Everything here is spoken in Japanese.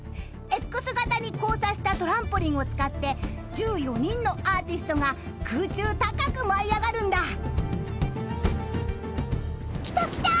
［Ｘ形に交差したトランポリンを使って１４人のアーティストが空中高く舞い上がるんだ］来た来た！